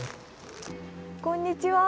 こんにちは！